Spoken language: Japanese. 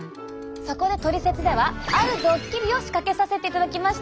そこで「トリセツ」ではあるドッキリを仕掛けさせていただきました。